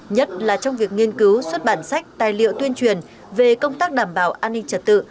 nhất là trong việc nghiên cứu xuất bản sách tài liệu tuyên truyền về công tác đảm bảo an ninh trật tự